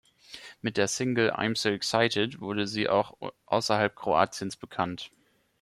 Mit der Single "I'm so excited" wurde sie auch außerhalb Kroatiens bekannt.